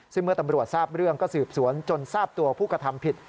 ซึ่งเมื่อตำรวจทราบเรื่องก็สืบสวนจนทราบตัวผู้กระทำผิด